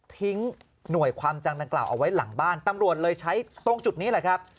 หน่วยความจังดังกล่าวเอาไว้หลังบ้านตำรวจเลยใช้ตรงจุดนี้แหละครับ